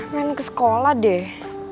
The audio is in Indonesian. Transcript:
main ke sekolah deh